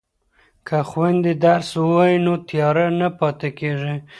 که خویندې درس ووایي نو تیاره نه پاتې کیږي.